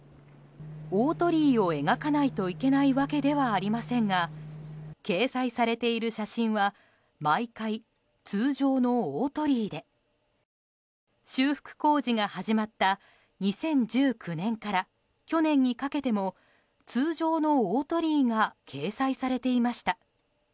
大鳥居を描かないといけないわけではありませんが掲載されている写真は毎回、通常の大鳥居で修復工事が始まった２０１９年から去年にかけても、通常の大鳥居が掲載されていました。